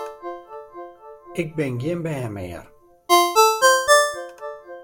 Ik bin gjin bern mear!